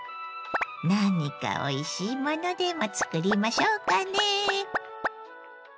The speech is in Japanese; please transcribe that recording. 何かおいしいものでも作りましょうかね。